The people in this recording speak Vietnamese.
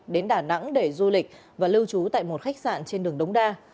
đến đà nẵng để du lịch và lưu trú tại một khách sạn trên đường đống đa